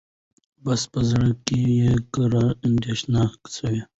بس په زړه کي یې کراري اندېښنې سوې